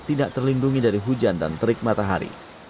tidak terlindungi dari hujan dan terik matahari